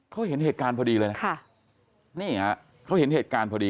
เขาเห็นเหตุการณ์พอดีเลยนะค่ะนี่ฮะเขาเห็นเหตุการณ์พอดี